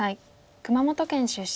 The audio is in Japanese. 熊本県出身。